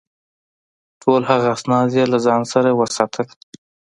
ټول هغه اسناد یې له ځان سره وساتل.